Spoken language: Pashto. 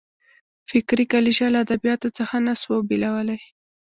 فکري کلیشه له ادبیاتو څخه نه سو بېلولای.